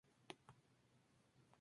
Homero habla de la que precede al sueño.